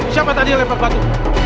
siapa tadi lepak batu